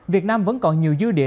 việt nam vẫn còn nhiều dư địa